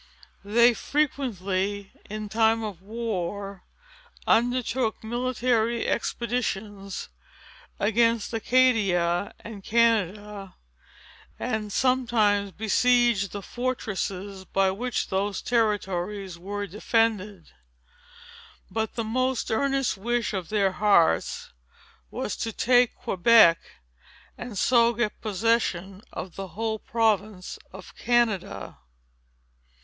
They frequently, in time of war, undertook military expeditions against Acadia and Canada, and sometimes besieged the fortresses, by which those territories were defended. But the most earnest wish of their hearts was, to take Quebec, and so get possession of the whole province of Canada.